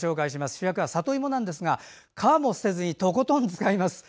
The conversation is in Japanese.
主役は里芋ですが皮も捨てずにとことん使います。